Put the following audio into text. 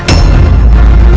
kalau gusti prabu sekejam itu